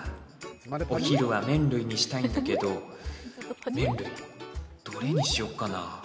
お昼は麺類にしたいんだけど麺類どれにしようかな？